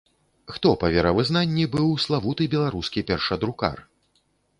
Хто па веравызнанні быў славуты беларускі першадрукар?